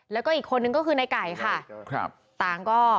แล้วก็อีกคนนึงก็คือนายไก่ค่ะต่างก็